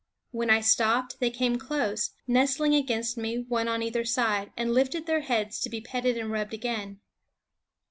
When I stopped they came close, nestling against me, one on either side, and lifted their heads to be petted and rubbed again.